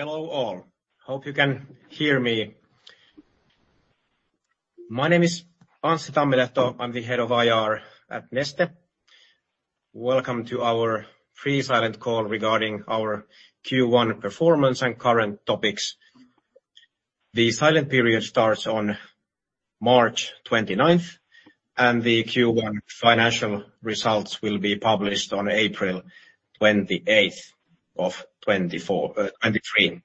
Hello all. Hope you can hear me. My name is Anssi Tammilehto. I'm the head of IR at Neste. Welcome to our pre-silent call regarding our Q1 performance and current topics. The silent period starts on March 29th, and the Q1 financial results will be published on April 28th of 2023.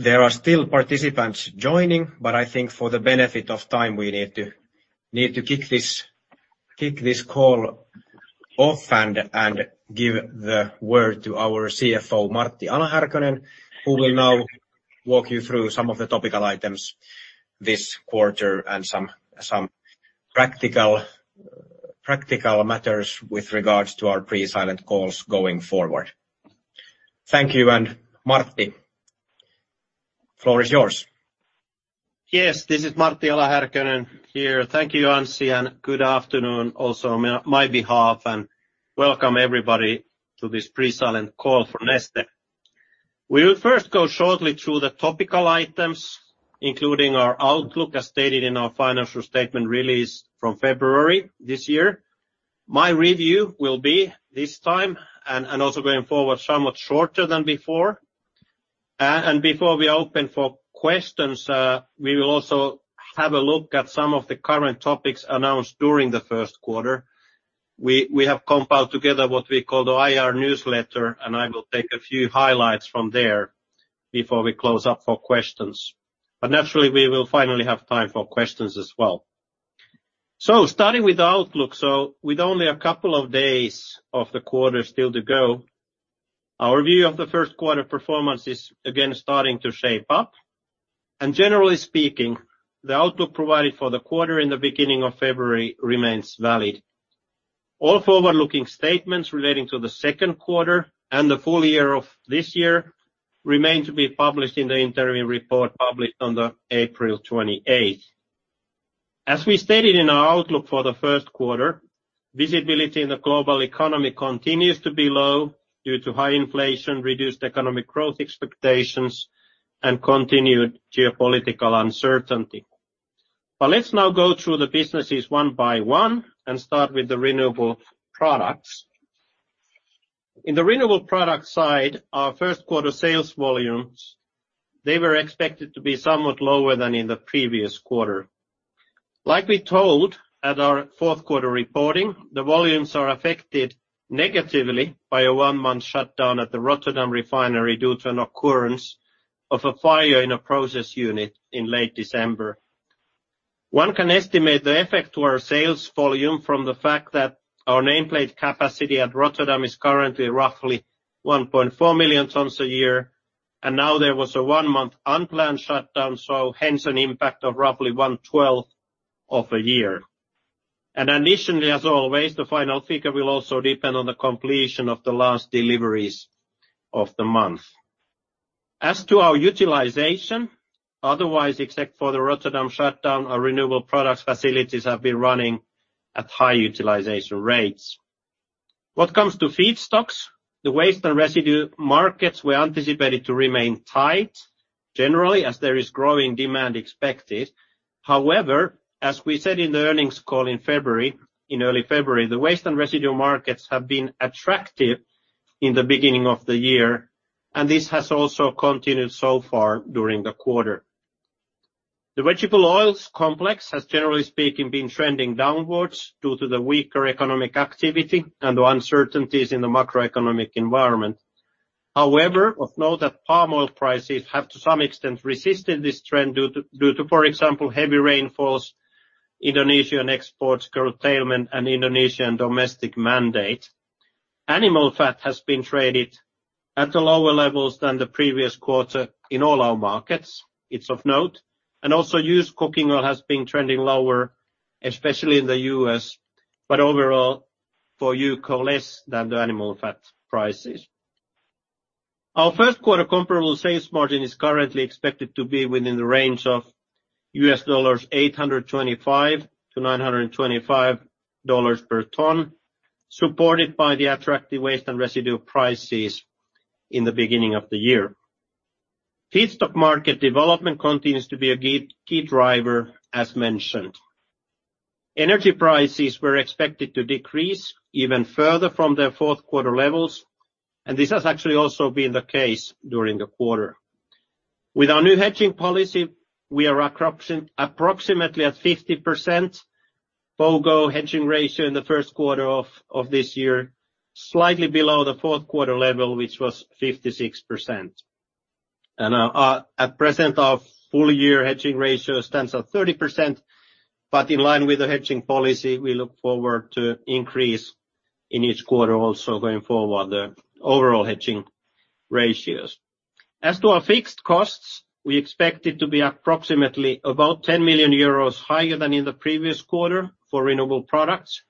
There are still participants joining, but I think for the benefit of time, we need to kick this call off and give the word to our CFO, Martti Ala-Härkönen, who will now walk you through some of the topical items this quarter and some practical matters with regards to our pre-silent calls going forward. Thank you, and Martti, floor is yours. Yes, this is Martti Ala-Härkönen here. Thank you, Anssi, and good afternoon also on my behalf, and welcome everybody to this pre-silent call for Neste. We will first go shortly through the topical items, including our outlook, as stated in our financial statement release from February this year. My review will be this time, and also going forward, somewhat shorter than before. And before we open for questions, we will also have a look at some of the current topics announced during the first quarter. We have compiled together what we call the IR newsletter, and I will take a few highlights from there before we close up for questions. Naturally, we will finally have time for questions as well. Starting with outlook, with only a couple of days of the quarter still to go, our view of the first quarter performance is again starting to shape up. Generally speaking, the outlook provided for the quarter in the beginning of February remains valid. All forward-looking statements relating to the second quarter and the full year of this year remain to be published in the interim report published on April 28th. As we stated in our outlook for the first quarter, visibility in the global economy continues to be low due to high inflation, reduced economic growth expectations, and continued geopolitical uncertainty. Let's now go through the businesses one by one and start with the Renewable Products. In the Renewable Products side, our first quarter sales volumes, they were expected to be somewhat lower than in the previous quarter. Like we told at our fourth quarter reporting, the volumes are affected negatively by a one-month shutdown at the Rotterdam refinery due to an occurrence of a fire in a process unit in late December. One can estimate the effect to our sales volume from the fact that our nameplate capacity at Rotterdam is currently roughly 1.4 million tons a year, and now there was a one-month unplanned shutdown, hence an impact of roughly one-twelfth of a year. Additionally, as always, the final figure will also depend on the completion of the last deliveries of the month. As to our utilization, otherwise, except for the Rotterdam shutdown, our Renewable Products facilities have been running at high utilization rates. What comes to feedstocks, the waste and residue markets were anticipated to remain tight, generally as there is growing demand expected. However, as we said in the earnings call in February, in early February, the waste and residue markets have been attractive in the beginning of the year, and this has also continued so far during the quarter. The vegetable oils complex has, generally speaking, been trending downwards due to the weaker economic activity and the uncertainties in the macroeconomic environment. However, of note that palm oil prices have to some extent resisted this trend due to, for example, heavy rainfalls, Indonesian export curtailment, and Indonesian domestic mandate. Animal fat has been traded at the lower levels than the previous quarter in all our markets, it's of note. Also, used cooking oil has been trending lower, especially in the U.S., but overall for UCO less than the animal fat prices. Our first quarter comparable sales margin is currently expected to be within the range of $825-$925 per ton, supported by the attractive waste and residue prices in the beginning of the year. Feedstock market development continues to be a key driver, as mentioned. Energy prices were expected to decrease even further from their fourth quarter levels, and this has actually also been the case during the quarter. With our new hedging policy, we are approximately at 50% POGO hedging ratio in the first quarter of this year, slightly below the fourth quarter level, which was 56%. At present, our full year hedging ratio stands at 30%. In line with the hedging policy, we look forward to increase in each quarter also going forward the overall hedging ratios. As to our fixed costs, we expect it to be approximately about 10 million euros higher than in the previous quarter for Renewable Products,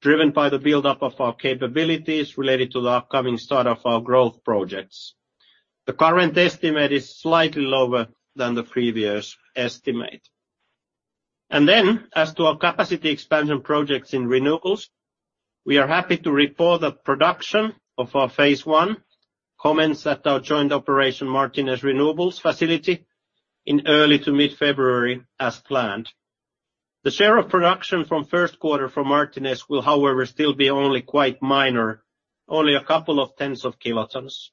driven by the buildup of our capabilities related to the upcoming start of our growth projects. The current estimate is slightly lower than the previous estimate. As to our capacity expansion projects in renewables, we are happy to report that production of our phase one commence at our joint operation Martinez Renewables facility in early to mid-February as planned. The share of production from first quarter from Martinez will, however, still be only quite minor, only a couple of tens of kilotons.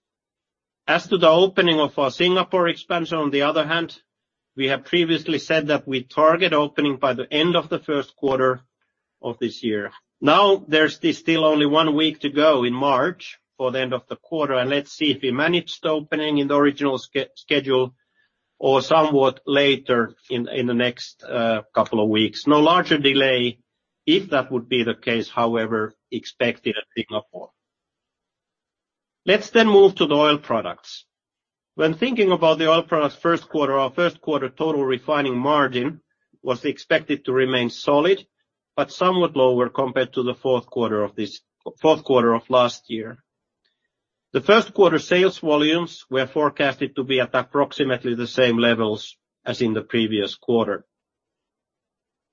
As to the opening of our Singapore expansion, on the other hand, we have previously said that we target opening by the end of the first quarter of this year. There's still only one week to go in March for the end of the quarter. Let's see if we manage the opening in the original schedule or somewhat later in the next couple of weeks. No larger delay if that would be the case, however, expected at Singapore. Let's move to the Oil Products. When thinking about the Oil Products first quarter, our first quarter total refining margin was expected to remain solid but somewhat lower compared to the fourth quarter of last year. The first quarter sales volumes were forecasted to be at approximately the same levels as in the previous quarter.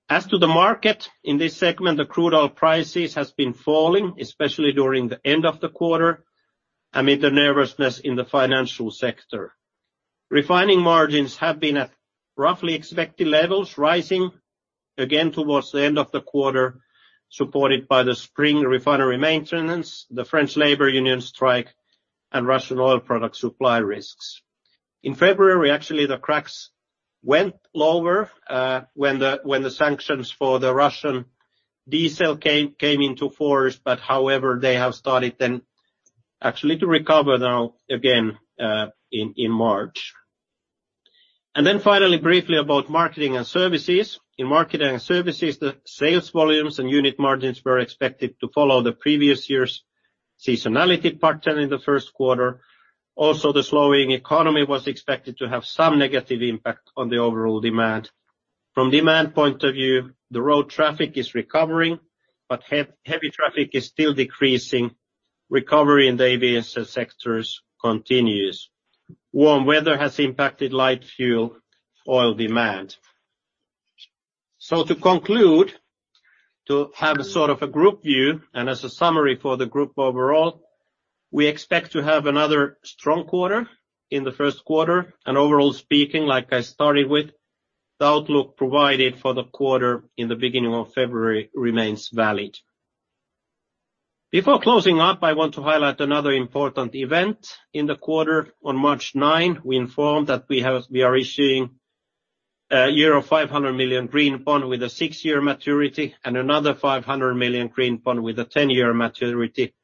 As to the market, in this segment, the crude oil prices has been falling, especially during the end of the quarter amid the nervousness in the financial sector. Refining margins have been at roughly expected levels, rising again towards the end of the quarter, supported by the spring refinery maintenance, the French labor union strike, and Russian oil product supply risks. In February, actually, the cracks went lower, when the sanctions for the Russian diesel came into force, however, they have started to recover again in March. Finally, briefly about Marketing and Services. In Marketing and Services, the sales volumes and unit margins were expected to follow the previous year's seasonality pattern in the first quarter. Also, the slowing economy was expected to have some negative impact on the overall demand. From demand point of view, the road traffic is recovering, but heavy traffic is still decreasing. Recovery in the aviation sectors continues. Warm weather has impacted light fuel oil demand. To conclude, to have a sort of a group view and as a summary for the group overall, we expect to have another strong quarter in the first quarter. Overall speaking, like I started with, the outlook provided for the quarter in the beginning of February remains valid. Before closing up, I want to highlight another important event. In the quarter on March 9, we informed that we are issuing a 500 million green bond with a six-year maturity and another 500 million green bond with a 10-year maturity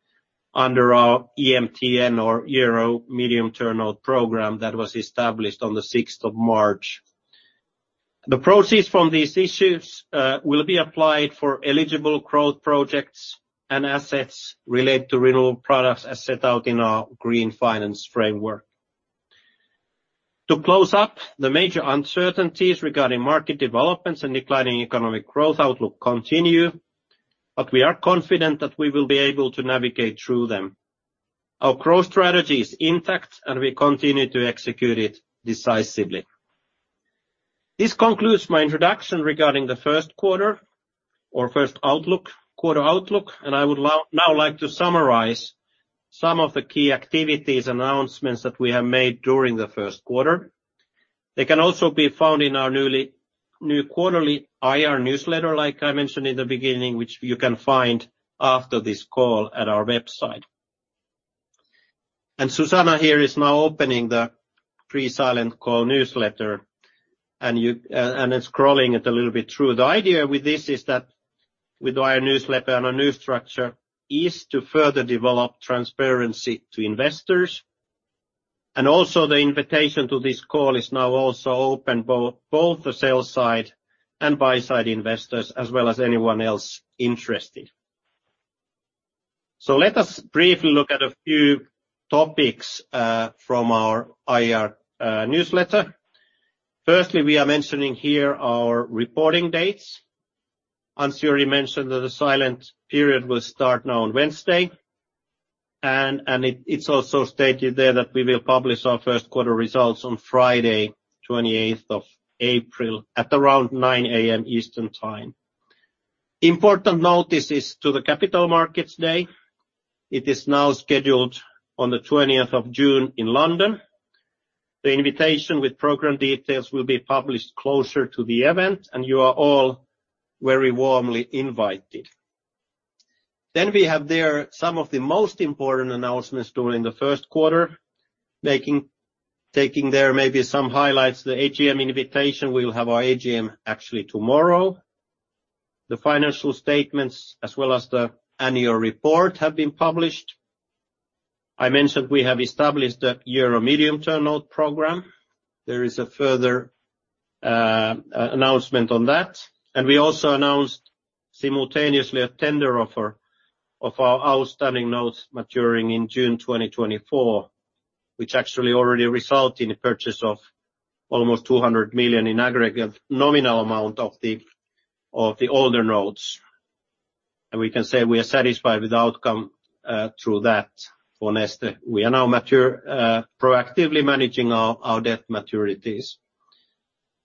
under our EMTN or Euro Medium Term Note program that was established on the 6th of March. The proceeds from these issues will be applied for eligible growth projects and assets related to Renewable Products as set out in our Green Finance Framework. To close up, the major uncertainties regarding market developments and declining economic growth outlook continue. We are confident that we will be able to navigate through them. Our growth strategy is intact. We continue to execute it decisively. This concludes my introduction regarding the first quarter outlook. I would now like to summarize some of the key activities, announcements that we have made during the first quarter. They can also be found in our new quarterly IR newsletter, like I mentioned in the beginning, which you can find after this call at our website. Susanna here is now opening the pre-silent call newsletter, you scrolling it a little bit through. The idea with this is that with our newsletter and our new structure is to further develop transparency to investors. The invitation to this call is now also open both the sell side and buy side investors as well as anyone else interested. Let us briefly look at a few topics from our IR newsletter. Firstly, we are mentioning here our reporting dates. Anssi already mentioned that the silent period will start now on Wednesday, and it's also stated there that we will publish our first quarter results on Friday, 28th of April at around 9:00 A.M. Eastern Time. Important notice is to the Capital Markets Day. It is now scheduled on the 20th of June in London. The invitation with program details will be published closer to the event, and you are all very warmly invited. We have there some of the most important announcements during the first quarter, taking there maybe some highlights, the AGM invitation. We will have our AGM actually tomorrow. The financial statements as well as the annual report have been published. I mentioned we have established a Euro Medium Term Note program. There is a further announcement on that. We also announced simultaneously a tender offer of our outstanding notes maturing in June 2024, which actually already result in the purchase of almost 200 million in aggregate nominal amount of the, of the older notes. We can say we are satisfied with the outcome through that for Neste. We are now mature proactively managing our debt maturities.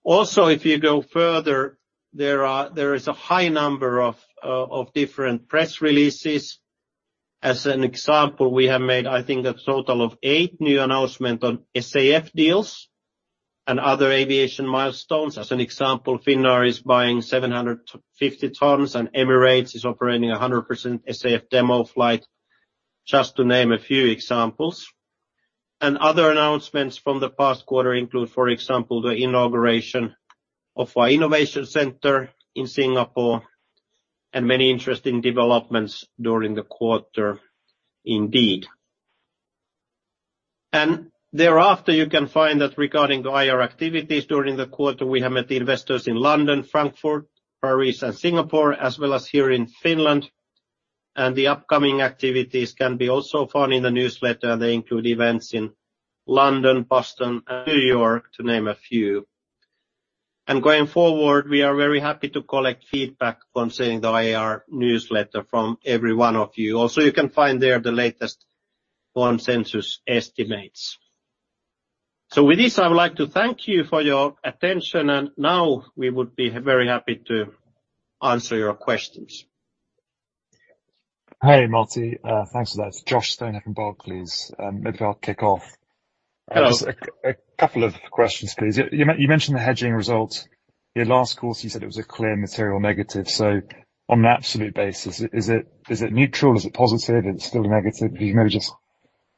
If you go further, there is a high number of different press releases. As an example, we have made, I think, a total of 8 new announcements on SAF deals and other aviation milestones. As an example, Finnair is buying 750 tons, and Emirates is operating a 100% SAF demo flight, just to name a few examples. Other announcements from the past quarter include, for example, the inauguration of our innovation center in Singapore and many interesting developments during the quarter indeed. Thereafter, you can find that regarding IR activities during the quarter, we have met investors in London, Frankfurt, Paris, and Singapore, as well as here in Finland. The upcoming activities can be also found in the newsletter. They include events in London, Boston, and New York, to name a few. Going forward, we are very happy to collect feedback concerning the IR newsletter from every one of you. Also, you can find there the latest consensus estimates. With this, I would like to thank you for your attention, and now we would be very happy to answer your questions. Hey, Martti. thanks for that. It's Josh Stone at Barclays. maybe I'll kick off. Hello. Just a couple of questions, please. You mentioned the hedging results. In last quarter, you said it was a clear material negative. On an absolute basis, is it neutral? Is it positive? Is it still negative? Could you maybe just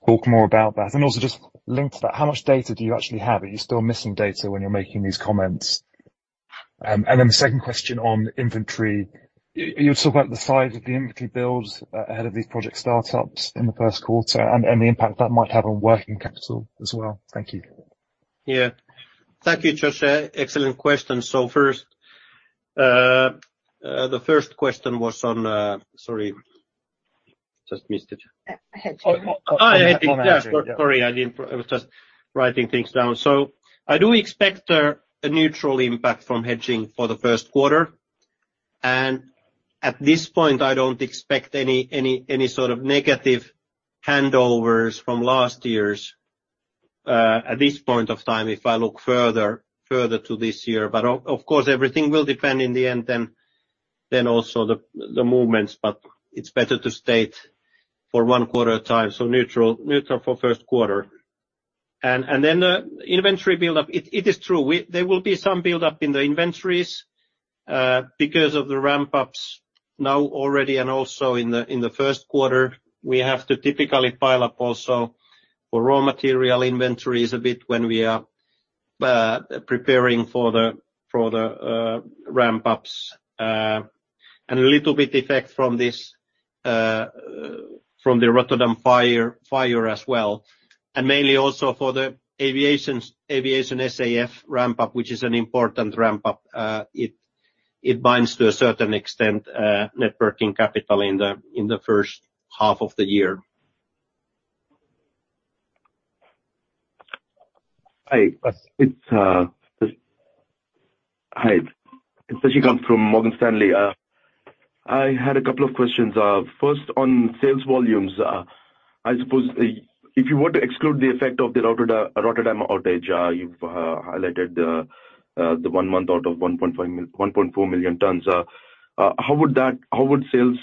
talk more about that? Also just linked to that, how much data do you actually have? Are you still missing data when you're making these comments? Then the second question on inventory. You talk about the size of the inventory build ahead of these project startups in the first quarter and the impact that might have on working capital as well. Thank you. Yeah. Thank you, Josh. excellent question. First, the first question was on. Sorry, just missed it. Oh, on hedging. Yeah. Hedging. Yeah, sorry, I didn't. I was just writing things down. I do expect a neutral impact from hedging for the first quarter. At this point, I don't expect any sort of negative handovers from last year's at this point of time, if I look further to this year. Of course, everything will depend in the end than also the movements, but it's better to state for one quarter at a time, so neutral for first quarter. The inventory buildup, it is true. There will be some buildup in the inventories because of the ramp-ups now already and also in the first quarter. We have to typically pile up also for raw material inventories a bit when we are preparing for the ramp-ups. And a little bit effect from this, from the Rotterdam fire as well. Mainly also for the aviation SAF ramp-up, which is an important ramp-up. It binds to a certain extent, net working capital in the first half of the year. Hi. It's Shaheed Pasha from Morgan Stanley. I had a couple of questions. First on sales volumes. I suppose if you were to exclude the effect of the Rotterdam outage, you've highlighted the one month out of 1.4 million tons, how would sales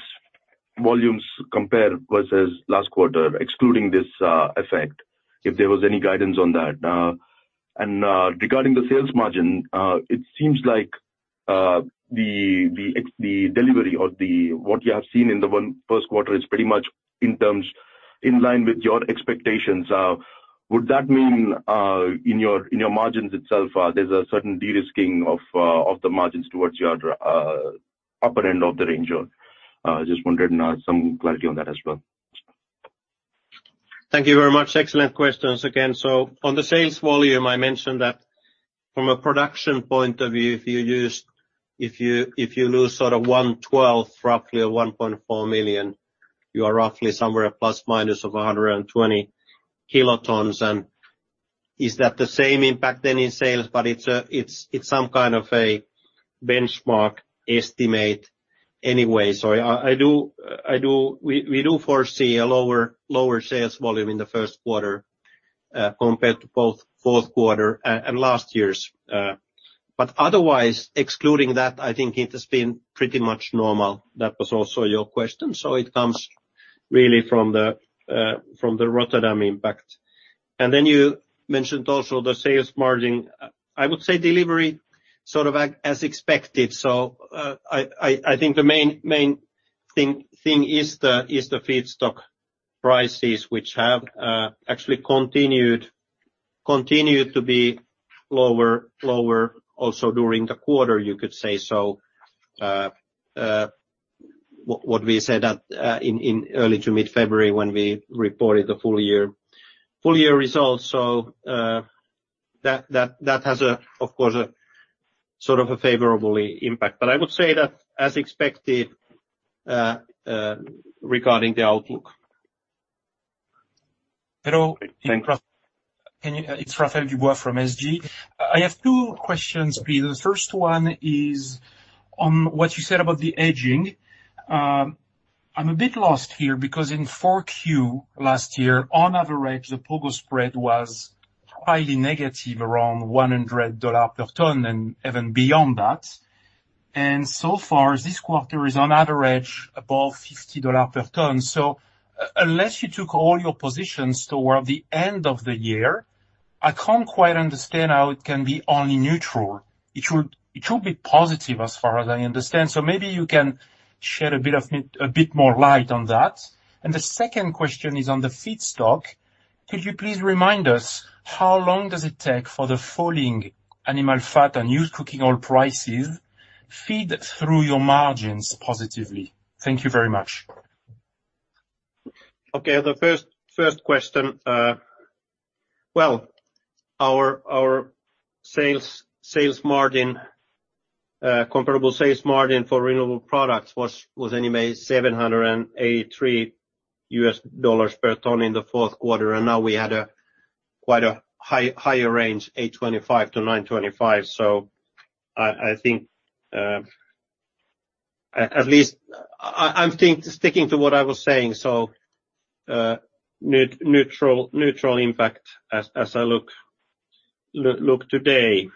volumes compare versus last quarter, excluding this effect? If there was any guidance on that. Regarding the sales margin, it seems like the delivery or what you have seen in the first quarter is pretty much in terms in line with your expectations. Would that mean in your, in your margins itself, there's a certain de-risking of the margins towards your upper end of the range? Just wondered, some clarity on that as well. Thank you very much. Excellent questions again. On the sales volume, I mentioned that from a production point of view, if you lose sort of 1/12, roughly, of 1.4 million, you are roughly somewhere plus minus of 120 kilotons. Is that the same impact then in sales? It's some kind of a benchmark estimate anyway. I do foresee a lower sales volume in the first quarter, compared to both fourth quarter and last year's. Otherwise, excluding that, I think it has been pretty much normal. That was also your question. It comes really from the Rotterdam impact. You mentioned also the sales margin. I would say delivery sort of as expected. I think the main thing is the feedstock prices, which have actually continued to be lower also during the quarter, you could say. What we said in early to mid-February when we reported the full year results. That has, of course, a sort of a favorably impact. I would say that as expected regarding the outlook. Hello. Thank you. It's Raphaël Dubois from Société Générale. I have two questions, please. First one is on what you said about the hedging. I'm a bit lost here because in 4Q last year, on average, the POGO spread was highly negative, around $100 per ton and even beyond that. So far, this quarter is on average above $50 per ton. Unless you took all your positions toward the end of the year, I can't quite understand how it can be only neutral. It should be positive as far as I understand. Maybe you can shed a bit more light on that. The second question is on the feedstock. Could you please remind us how long does it take for the falling animal fat and used cooking oil prices feed through your margins positively? Thank you very much. Okay, the first question. Well, our sales margin, comparable sales margin for Renewable Products was anyway $783 per ton in the fourth quarter. Now we had a quite a higher range, $825-$925. I think, at least I'm sticking to what I was saying, so, neutral impact as I look today.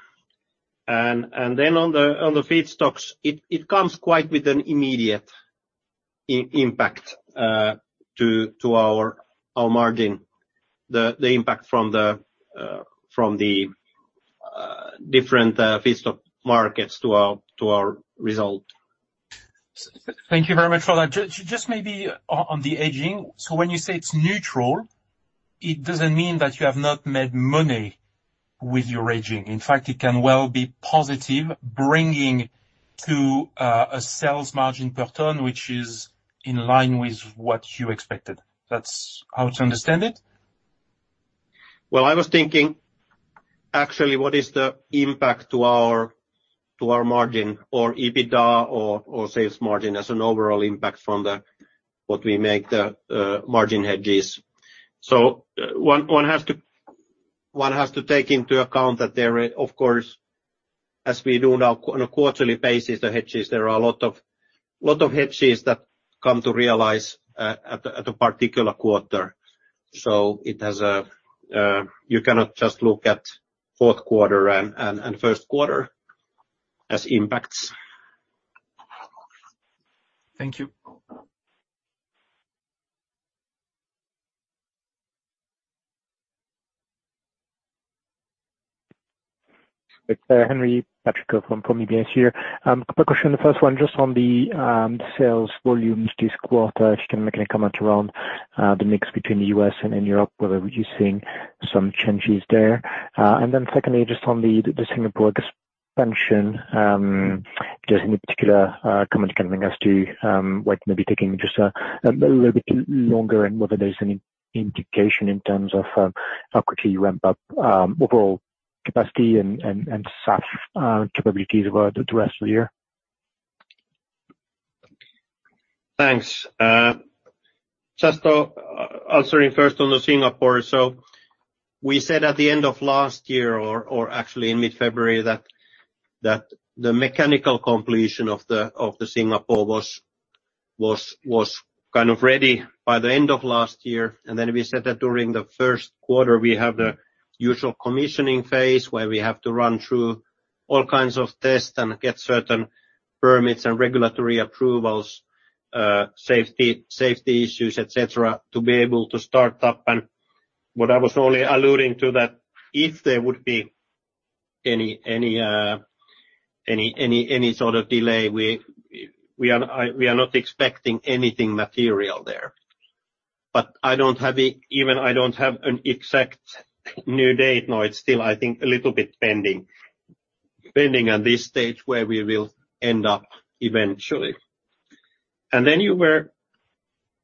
Then on the feedstocks, it comes quite with an immediate impact to our margin. The impact from the different feedstock markets to our result. Thank you very much for that. Just maybe on the hedging. When you say it's neutral, it doesn't mean that you have not made money with your hedging. In fact, it can well be positive bringing to a sales margin per ton, which is in line with what you expected. That's how to understand it? Well, I was thinking actually what is the impact to our margin or EBITDA or sales margin as an overall impact from what we make the margin hedges. One has to take into account that there, of course, as we do now on a quarterly basis, the hedges, there are a lot of hedges that come to realize at a particular quarter. It has a, you cannot just look at fourth quarter and first quarter as impacts. Thank you. It's Henri Patricot from UBS here. Couple questions. The first one, just on the sales volumes this quarter, if you can make any comment around the mix between the U.S. and in Europe, whether you're seeing some changes there. Then secondly, just on the Singapore expansion, just any particular comment you can bring us to why it may be taking just a little bit longer, and whether there's any indication in terms of how quickly you ramp up overall capacity and SAF capabilities over the rest of the year. Thanks. Just answering first on the Singapore. We said at the end of last year or, actually in mid-February that the mechanical completion of the Singapore was kind of ready by the end of last year. Then we said that during the first quarter we have the usual commissioning phase where we have to run through all kinds of tests and get certain permits and regulatory approvals, safety issues, et cetera, to be able to start up. What I was only alluding to that if there would be any sort of delay, we are not expecting anything material there. I don't have even I don't have an exact new date. It's still, I think, a little bit pending. Pending at this stage where we will end up eventually.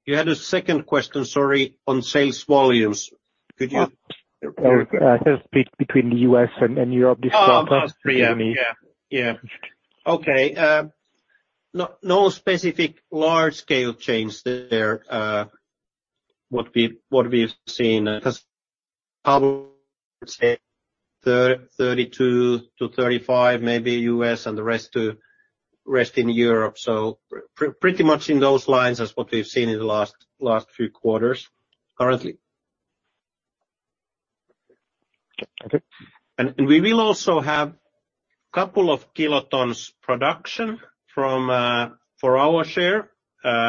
You had a second question, sorry, on sales volumes. Sales split between the U.S. and Europe this quarter. Oh, I see. Yeah. Yeah. Okay. No, no specific large scale change there, what we've seen. Probably say 32%-35%, maybe U.S. and the rest to rest in Europe. Pretty much in those lines as what we've seen in the last few quarters currently. Okay. We will also have couple of kilotons production from for our share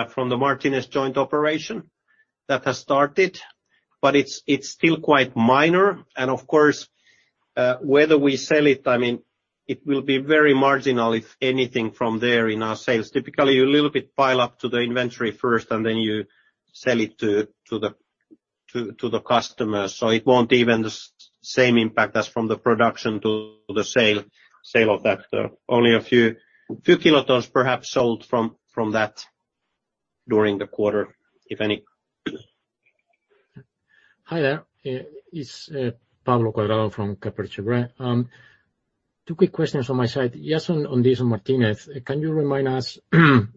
from the Martinez joint operation that has started, but it's still quite minor and of course, whether we sell it, I mean it will be very marginal if anything from there in our sales. Typically, you little bit pile up to the inventory first and then you sell it to the customers. It won't even the same impact as from the production to the sale of that. Only a few kilotons perhaps sold from that during the quarter, if any. Hi there. It's Pablo Cordero from KSB Chile. Two quick questions on my side. Yes, on this Martinez, can you remind us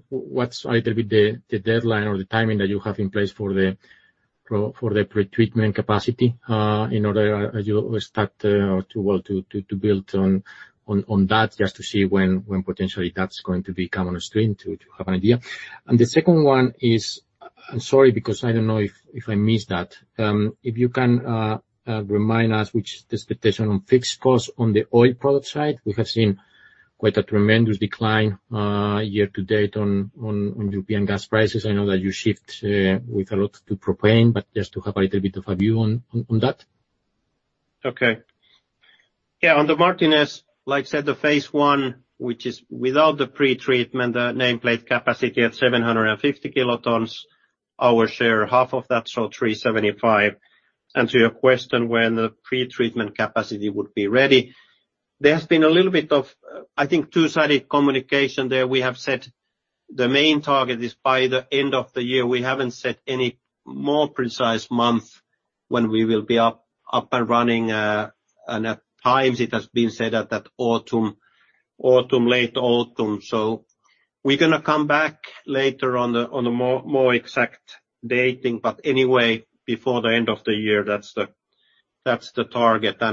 what's either be the deadline or the timing that you have in place for the pretreatment capacity, in order you start to build on that, just to see when potentially that's going to become on a stream to have an idea? The second one is, I'm sorry, because I don't know if I missed that. If you can remind us which is the position on fixed costs on the Oil Products side? We have seen quite a tremendous decline year to date on European gas prices. I know that you shift with a lot to propane, but just to have a little bit of a view on, on that. Okay. Yeah, on the Martinez, like you said, the phase I, which is without the pretreatment, the nameplate capacity at 750 kilotons, our share half of that, so 375. To your question, when the pretreatment capacity would be ready, there has been a little bit of, I think, two-sided communication there. We have said the main target is by the end of the year. We haven't set any more precise month when we will be up and running. At times it has been said at that autumn, late autumn. We're gonna come back later on the more exact dating, but anyway, before the end of the year, that's the target.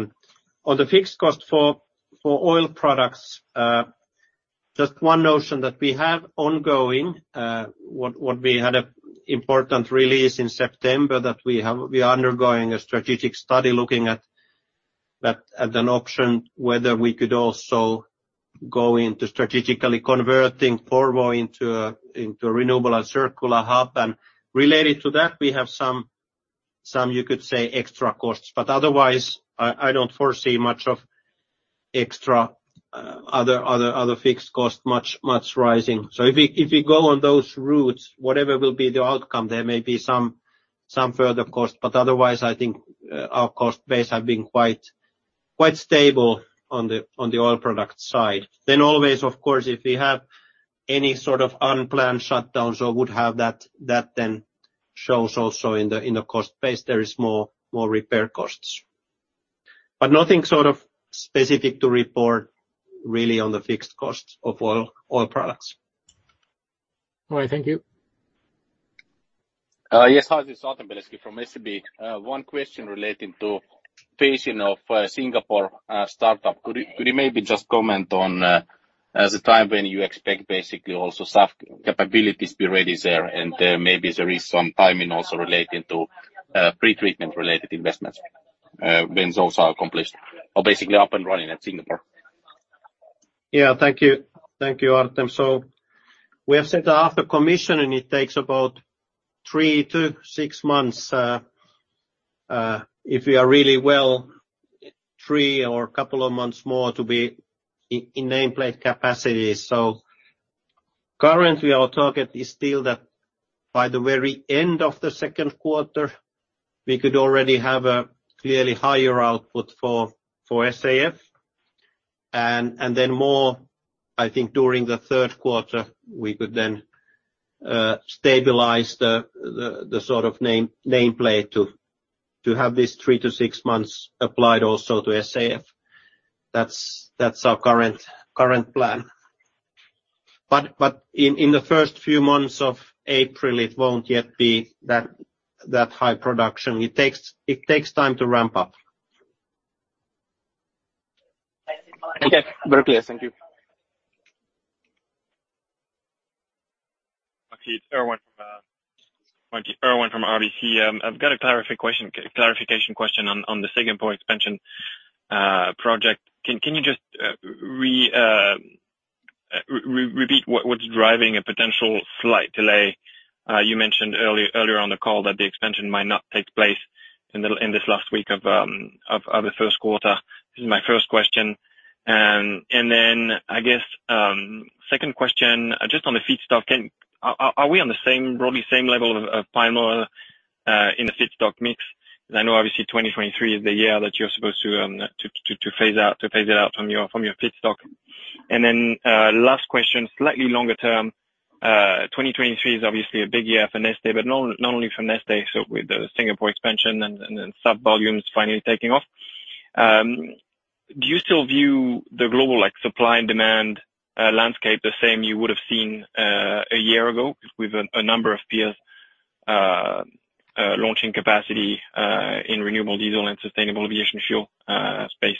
On the fixed cost for Oil Products, just one notion that we have ongoing, what we had a important release in September that we are undergoing a strategic study looking at that as an option, whether we could also go into strategically converting Porvoo into a, into a renewable and circular hub. Related to that, we have some, you could say, extra costs. Otherwise, I don't foresee much of extra other fixed cost much rising. If we go on those routes, whatever will be the outcome, there may be some further costs. Otherwise, I think, our cost base have been quite stable on the Oil Products side. Always, of course, if we have any sort of unplanned shutdowns or would have that then shows also in the cost base, there is more repair costs. Nothing sort of specific to report really on the fixed costs of Oil Products. All right. Thank you. Yes. Hi, this is Artem Beletski from SEB. One question relating to pacing of Singapore startup. Could you maybe just comment on as a time when you expect basically also SAF capabilities to be ready there, maybe there is some timing also relating to pretreatment-related investments when those are accomplished or basically up and running at Singapore? Yeah. Thank you. Thank you, Artem. We have set up the commission, and it takes about three to six months, if we are really well, three or a couple of months more to be in nameplate capacity. Currently, our target is still that by the very end of the second quarter, we could already have a clearly higher output for SAF. Then more, I think during the third quarter, we could then stabilize the sort of nameplate to have this three to six months applied also to SAF. That's our current plan. In the first few months of April, it won't yet be that high production. It takes time to ramp up. Okay. Very clear. Thank you. Martti, it's Erwan, Erwan from RBC. I've got a clarification question on the Singapore expansion project. Can you just re-repeat what's driving a potential slight delay? You mentioned earlier on the call that the expansion might not take place in the last week of the first quarter. This is my first question. Then I guess, second question, just on the feedstock. Are we on the same, broadly same level of palm oil in the feedstock mix? I know obviously 2023 is the year that you're supposed to phase out, to phase it out from your feedstock. Then, last question, slightly longer term. 2023 is obviously a big year for Neste, but not only for Neste, so with the Singapore expansion and then sub volumes finally taking off. Do you still view the global like supply and demand landscape the same you would have seen a year ago with a number of peers launching capacity in renewable diesel and sustainable aviation fuel space?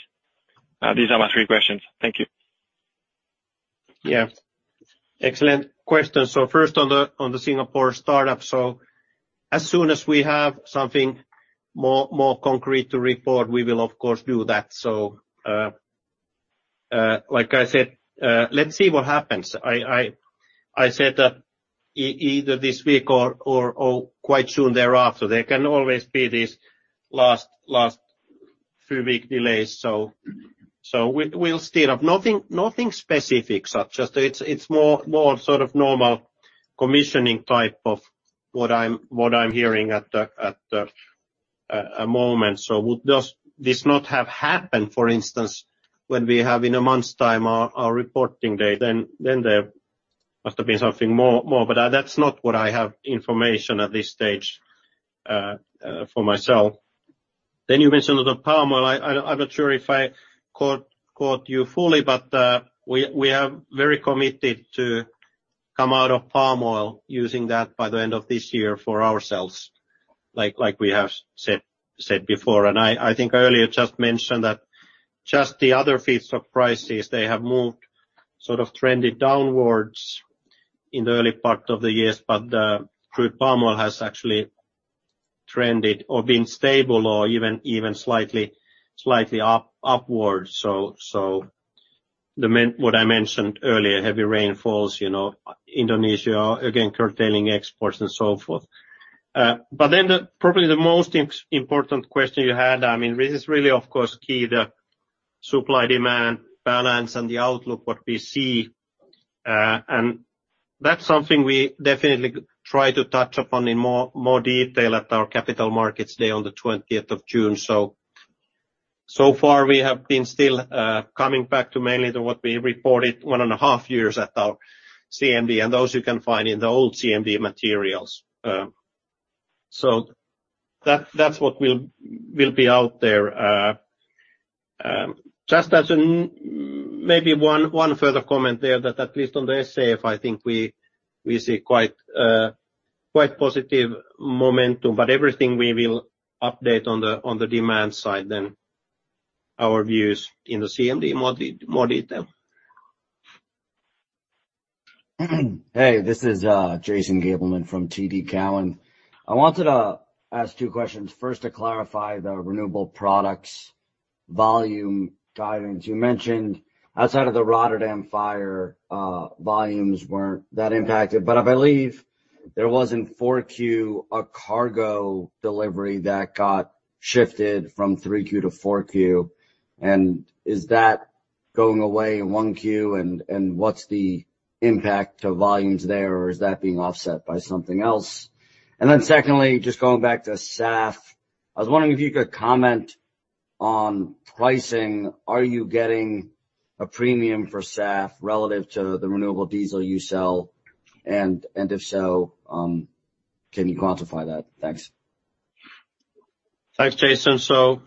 These are my three questions. Thank you. Yeah. Excellent questions. First on the Singapore startup. As soon as we have something more concrete to report, we will of course do that. Like I said, let's see what happens. I said that either this week or quite soon thereafter, there can always be these last few week delays. We'll still have nothing specific, such as. It's more sort of normal commissioning type of what I'm hearing at the moment. Would this not have happened, for instance, when we have in a month's time our reporting date, then, Must have been something more, but that's not what I have information at this stage for myself. You mentioned the palm oil. I'm not sure if I quote you fully, but we are very committed to come out of palm oil using that by the end of this year for ourselves, like we have said before. I think earlier just mentioned that just the other feeds of prices, they have moved sort of trended downwards in the early part of the years, but crude palm oil has actually trended or been stable or even slightly upward. What I mentioned earlier, heavy rainfalls, you know, Indonesia again, curtailing exports and so forth. The probably the most important question you had, I mean, this is really, of course, key, the supply-demand balance and the outlook, what we see. That's something we definitely try to touch upon in more detail at our Capital Markets Day on the 20th of June. So far we have been still coming back to mainly to what we reported 1.5 years at our CMD, and those you can find in the old CMD materials. That's what we'll be out there. Just as one further comment there that at least on the SAF, I think we see quite positive momentum. Everything we will update on the demand side then our views in the CMD more detail. Hey, this is Jason Gabelman from TD Cowen. I wanted to ask two questions. First, to clarify the renewable products volume guidance. You mentioned outside of the Rotterdam fire, volumes weren't that impacted, but I believe there was in 4Q a cargo delivery that got shifted from 3Q to 4Q. Is that going away in 1Q, and what's the impact to volumes there, or is that being offset by something else? Then secondly, just going back to SAF, I was wondering if you could comment on pricing. Are you getting a premium for SAF relative to the renewable diesel you sell? And if so, can you quantify that? Thanks. Thanks, Jason. Just on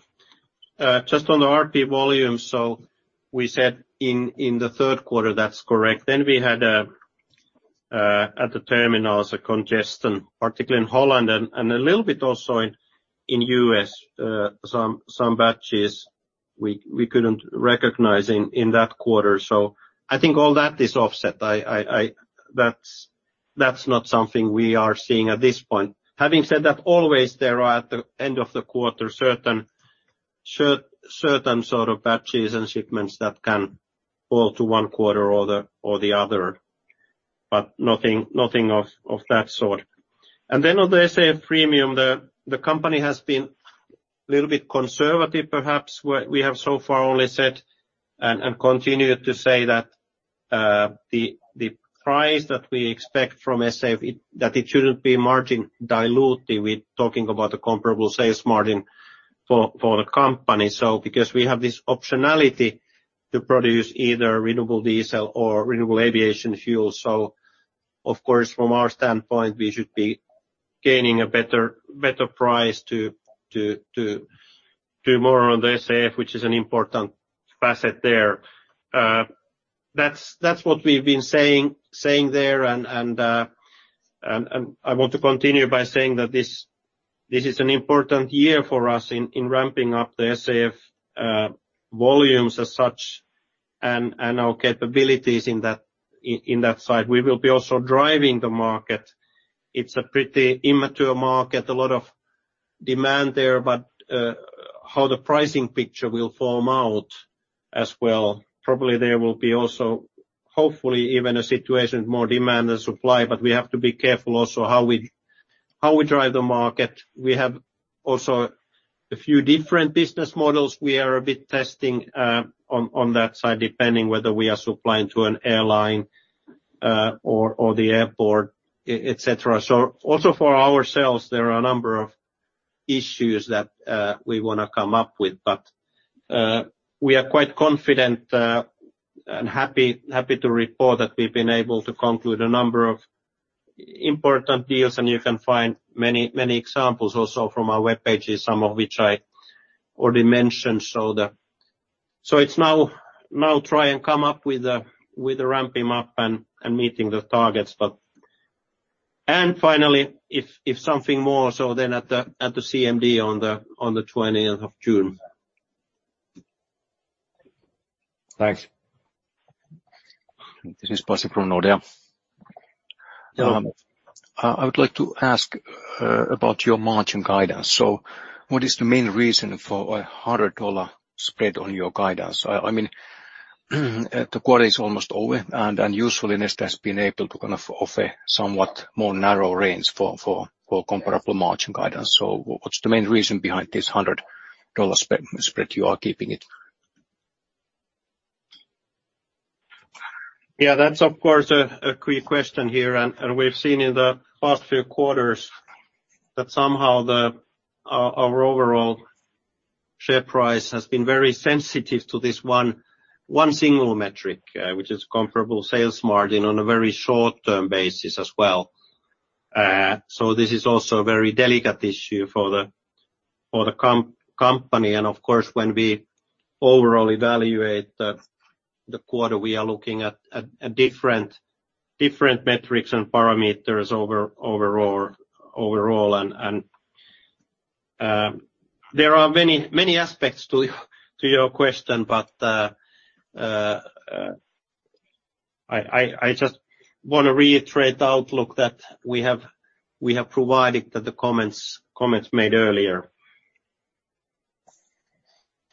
the RP volume, we said in the third quarter, that's correct. We had at the terminals, a congestion, particularly in Holland and a little bit also in U.S., some batches we couldn't recognize in that quarter. I think all that is offset. That's not something we are seeing at this point. Having said that, always there are, at the end of the quarter, certain sort of batches and shipments that can fall to one quarter or the other, but nothing of that sort. On the SAF premium, the company has been little bit conservative, perhaps we have so far only said and continued to say that the price that we expect from SAF, that it shouldn't be margin dilutive. We're talking about the comparable sales margin for the company. Because we have this optionality to produce either renewable diesel or renewable aviation fuel. Of course, from our standpoint, we should be gaining a better price to more on the SAF, which is an important facet there. That's what we've been saying there. I want to continue by saying that this is an important year for us in ramping up the SAF volumes as such and our capabilities in that side. We will be also driving the market. It's a pretty immature market, a lot of demand there. How the pricing picture will form out as well. Probably there will be also, hopefully even a situation with more demand and supply, but we have to be careful also how we drive the market. We have also a few different business models we are a bit testing on that side, depending whether we are supplying to an airline or the airport, et cetera. Also for ourselves, there are a number of issues that we wanna come up with. We are quite confident and happy to report that we've been able to conclude a number of important deals, and you can find many, many examples also from our web pages, some of which I already mentioned. It's now try and come up with a ramping up and meeting the targets, but... Finally, if something more at the CMD on the twentieth of June. Thanks. This is Pasi from Nordea. Yeah. I would like to ask about your margin guidance. What is the main reason for a $100 spread on your guidance? I mean, the quarter is almost over, and usually Neste has been able to kind of offer somewhat more narrow range for comparable margin guidance. What's the main reason behind this $100 spread you are keeping it? Yeah, that's of course a great question here. We've seen in the past few quarters that somehow our overall share price has been very sensitive to this one single metric, which is comparable sales margin on a very short-term basis as well. So this is also a very delicate issue for the company. Of course, when we overall evaluate the quarter, we are looking at different metrics and parameters overall. There are many aspects to your question, but I just wanna reiterate the outlook that we have provided that the comments made earlier.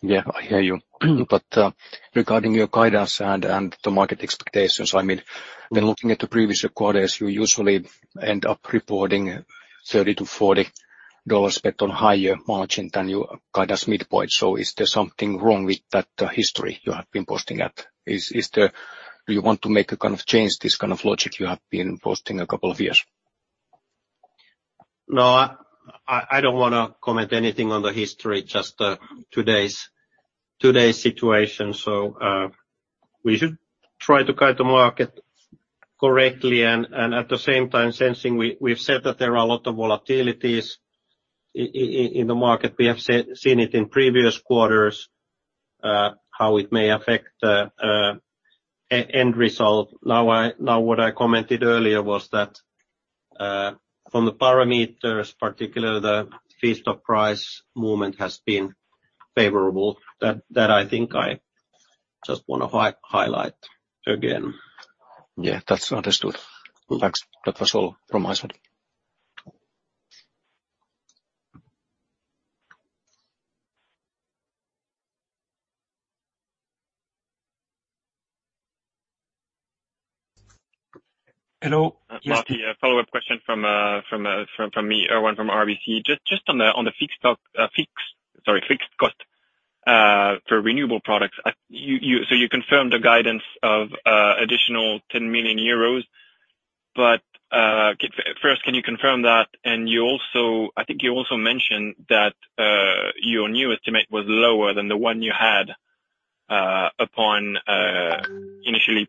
Yeah, I hear you. Regarding your guidance and the market expectations, I mean, when looking at the previous quarters, you usually end up reporting $30-$40 spent on higher margin than you guide as midpoint. Is there something wrong with that history you have been posting at? Do you want to make a kind of change, this kind of logic you have been posting a couple of years? I don't wanna comment anything on the history, just today's situation. We should try to guide the market correctly and at the same time, sensing we've said that there are a lot of volatilities in the market. We have seen it in previous quarters, how it may affect the end result. What I commented earlier was that from the parameters, particularly the feedstock price movement has been favorable. That I think I just wanna highlight again. Yeah, that's understood. Good. Thanks. That was all from my side. Hello. Martti, a follow-up question from me, Erwan from RBC. Just on the fixed cost for renewable products. You confirmed the guidance of additional 10 million euros. First, can you confirm that? You also mentioned that your new estimate was lower than the one you had upon initially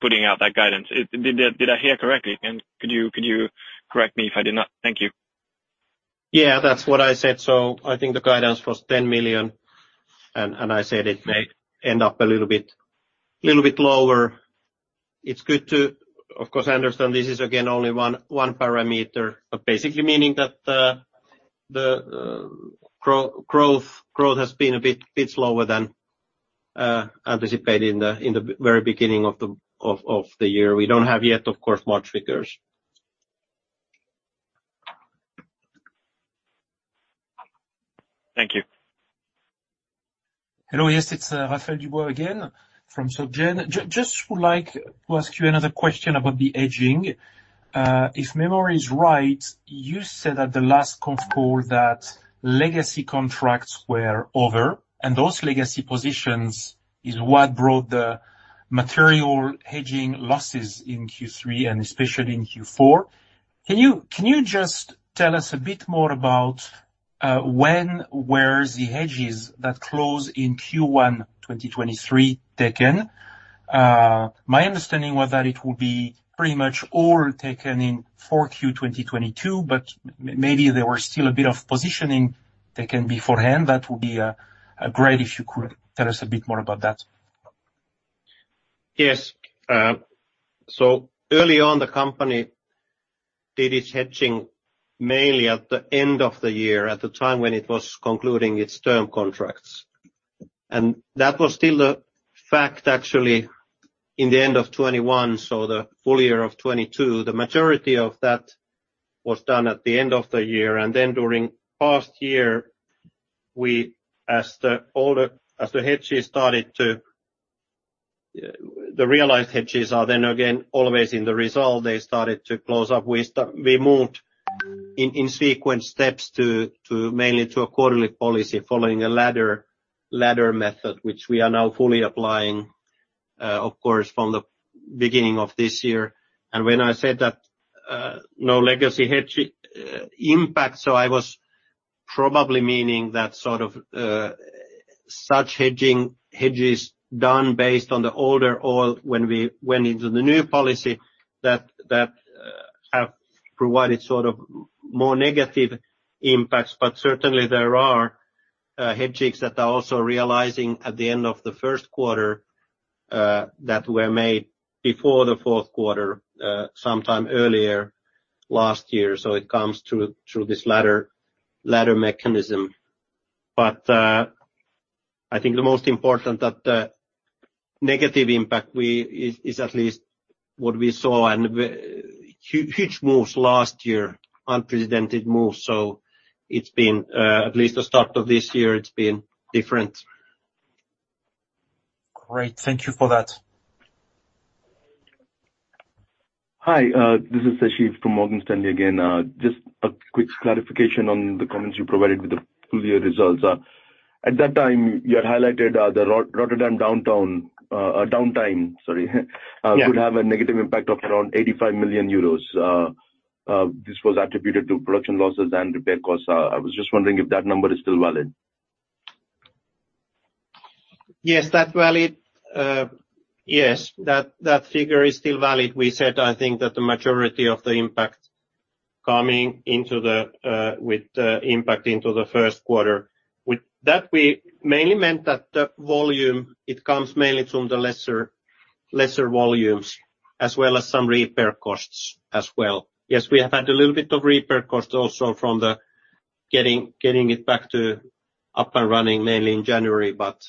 putting out that guidance. Did I hear correctly? Could you correct me if I did not? Thank you. Yeah, that's what I said. I think the guidance was 10 million, and I said it may end up a little bit lower. It's good to. Of course, I understand this is again, only one parameter. Basically meaning that the growth has been a bit lower than anticipated in the very beginning of the year. We don't have yet, of course, March figures. Thank you. Hello. Yes, it's Raphaël Dubois again from Société Générale. Just would like to ask you another question about the hedging. If memory is right, you said at the last conf call that legacy contracts were over, and those legacy positions is what brought the material hedging losses in Q3 and especially in Q4. Can you just tell us a bit more about when, where the hedges that close in Q1 2023 taken? My understanding was that it will be pretty much all taken in 4Q 2022, but maybe there were still a bit of positioning taken beforehand. That would be great if you could tell us a bit more about that. Yes. Early on, the company did its hedging mainly at the end of the year, at the time when it was concluding its term contracts. That was still the fact actually in the end of 2021, so the full year of 2022. The majority of that was done at the end of the year. Then during past year, we, as the hedges started to, the realized hedges are then again always in the result, they started to close up. We moved in sequence steps to mainly to a quarterly policy following a ladder method, which we are now fully applying, of course, from the beginning of this year. When I said that, no legacy hedge impact, I was probably meaning that sort of, such hedging, hedges done based on the older oil when we went into the new policy that have provided sort of more negative impacts. Certainly there are hedgings that are also realizing at the end of the first quarter, that were made before the fourth quarter, sometime earlier last year. It comes through this ladder mechanism. I think the most important that the negative impact is at least what we saw and huge moves last year, unprecedented moves. It's been at least the start of this year, it's been different. Great. Thank you for that. Hi, this is Shaheed from Morgan Stanley again. Just a quick clarification on the comments you provided with the full year results. At that time, you had highlighted the Rotterdam downtime, sorry. Yeah. Could have a negative impact of around 85 million euros. This was attributed to production losses and repair costs. I was just wondering if that number is still valid. Yes, that valid. Yes, that figure is still valid. We said, I think that the majority of the impact coming into the, with the impact into the first quarter. With that we mainly meant that the volume, it comes mainly from the lesser volumes as well as some repair costs as well. Yes, we have had a little bit of repair cost also from the getting it back to up and running mainly in January, but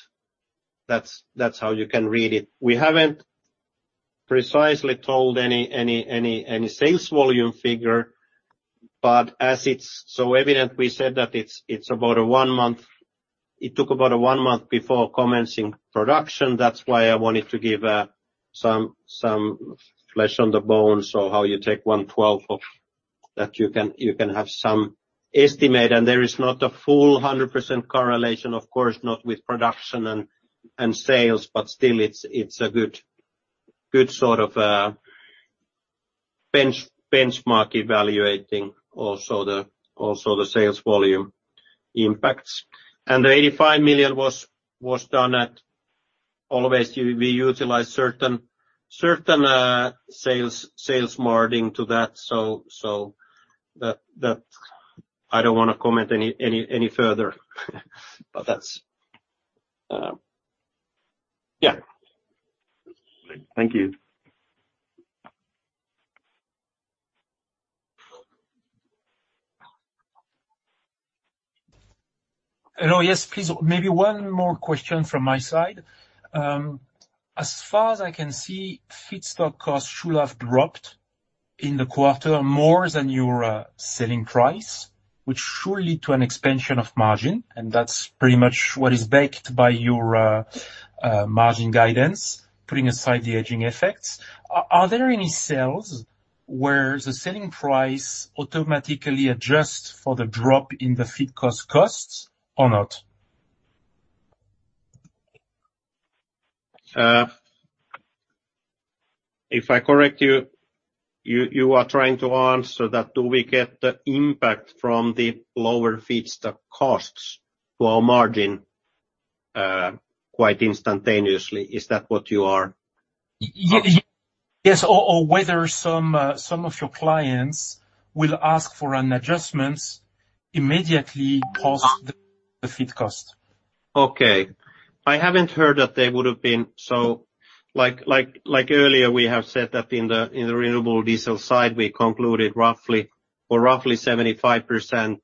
that's how you can read it. We haven't precisely told any sales volume figure, but as it's so evident, we said that it's about a 1 month. It took about a 1 month before commencing production. That's why I wanted to give some flesh on the bone. How you take one-twelfth of that you can have some estimate. There is not a full 100% correlation, of course, not with production and sales, but still it's a good sort of benchmark evaluating also the sales volume impacts. The 85 million was done at always we utilize certain sales margin to that. That, I don't wanna comment any further. That's, yeah. Thank you. Hello. Yes, please. Maybe one more question from my side. As far as I can see, feedstock costs should have dropped in the quarter more than your selling price, which should lead to an expansion of margin, that's pretty much what is backed by your margin guidance, putting aside the aging effects. Are there any sales where the selling price automatically adjust for the drop in the feed costs or not? If I correct you are trying to answer that, do we get the impact from the lower feedstock costs to our margin quite instantaneously? Is that what you are? Yes. Whether some of your clients will ask for an adjustments immediately post the feed cost. Okay. I haven't heard that they would have been... Like earlier, we have said that in the renewable diesel side, we concluded roughly 75%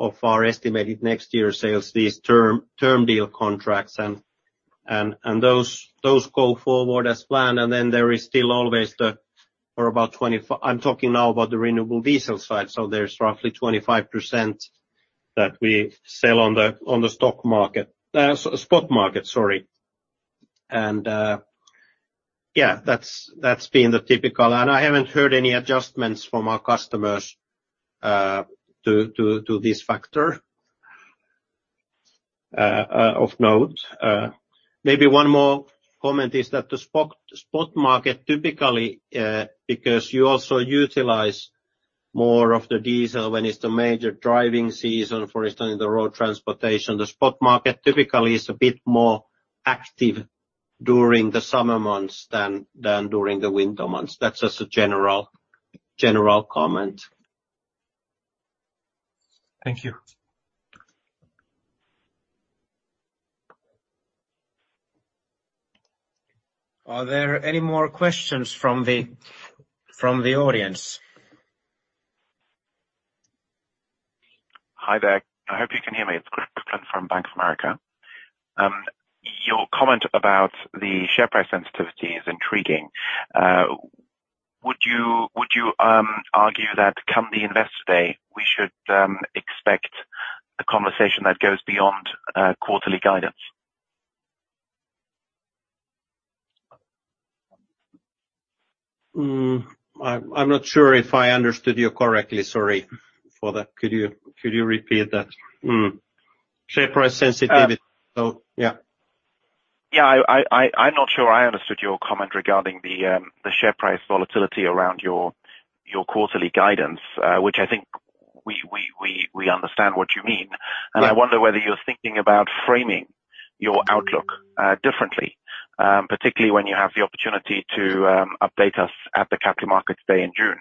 of our estimated next year sales, these term deal contracts and those go forward as planned. There is still always. I'm talking now about the renewable diesel side. There's roughly 25% that we sell on the spot market, sorry. Yeah, that's been the typical. I haven't heard any adjustments from our customers to this factor of note. Maybe one more comment is that the spot market typically, because you also utilize more of the diesel when it's the major driving season, for instance, in the road transportation, the spot market typically is a bit more active during the summer months than during the winter months. That's just a general comment. Thank you. Are there any more questions from the audience? Hi there. I hope you can hear me. It's Chris Kuplent from Bank of America. Your comment about the share price sensitivity is intriguing. Would you argue that come the Investor Day, we should expect a conversation that goes beyond quarterly guidance? I'm not sure if I understood you correctly. Sorry for that. Could you repeat that? Share price sensitivity. Yeah. Yeah. I'm not sure I understood your comment regarding the share price volatility around your quarterly guidance, which I think we understand what you mean. Yeah. I wonder whether you're thinking about framing your outlook, differently, particularly when you have the opportunity to, update us at the Capital Markets Day in June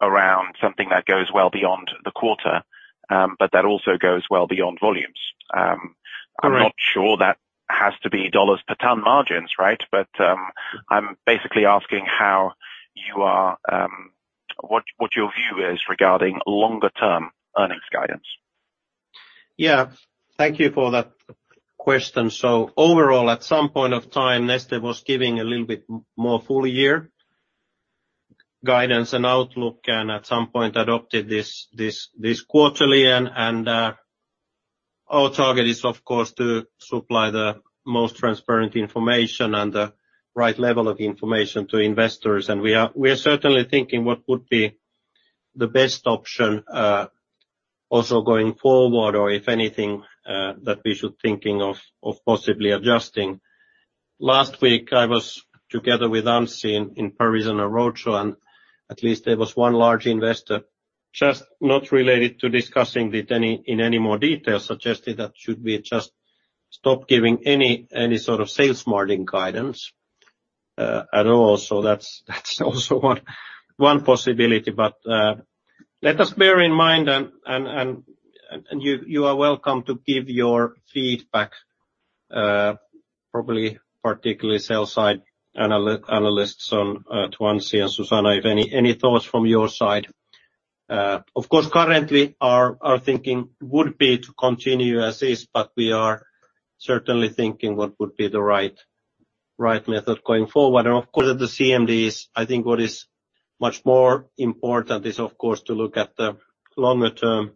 around something that goes well beyond the quarter, but that also goes well beyond volumes. Correct. I'm not sure that has to be dollars per ton margins, right? I'm basically asking how you are, what your view is regarding longer term earnings guidance. Yeah. Thank you for that question. Overall, at some point of time, Neste was giving a little bit more full year guidance and outlook and at some point adopted this quarterly and our target is of course to supply the most transparent information and the right level of information to investors. We are certainly thinking what would be the best option also going forward or if anything that we should thinking of possibly adjusting. Last week I was together with Anssi in Paris on a roadshow, at least there was one large investor, just not related to discussing it in any more detail, suggesting that should we just stop giving any sort of sales margin guidance at all. That's also one possibility. Let us bear in mind and you are welcome to give your feedback, probably particularly sell side analysts on, to Anssi and Susanna, if any thoughts from your side. Currently our thinking would be to continue as is, but we are certainly thinking what would be the right method going forward. Of course, at the CMDs, I think what is much more important is of course to look at the longer term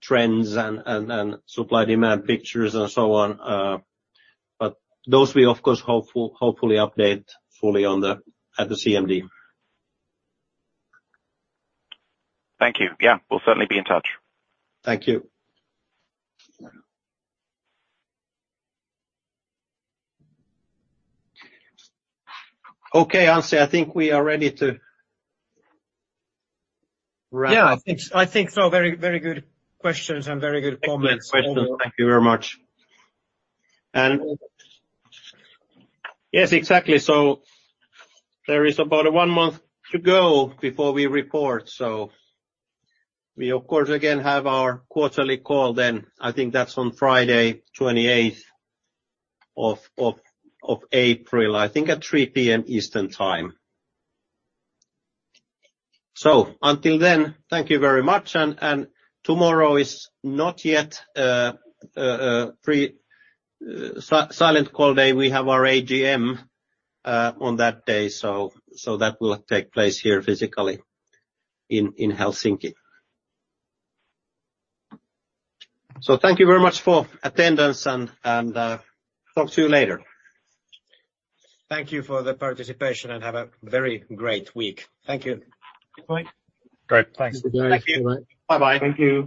trends and supply demand pictures and so on. Those we of course hopefully update fully on the, at the CMD. Thank you. Yeah, we'll certainly be in touch. Thank you. Okay, Anssi, I think we are ready to wrap up. Yeah. I think so. I think so. Very, very good questions and very good comments. Excellent questions. Thank you very much. Yes, exactly. There is about a one month to go before we report. We of course again have our quarterly call then. I think that's on Friday, 28th of April, I think at 3:00 P.M. Eastern time. Until then, thank you very much and tomorrow is not yet a silent call day. We have our AGM on that day, that will take place here physically in Helsinki. Thank you very much for attendance and talk to you later. Thank you for the participation. Have a very great week. Thank you. Good point. Great. Thanks. Thank you. Bye-bye. Thank you.